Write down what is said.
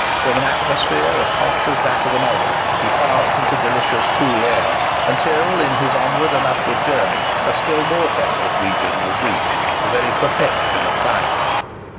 From an atmosphere as hot as that of an oven he passed into delicious cool air; until, in his onward and upward journey, a still more temperate region was reached, the very perfection of climate.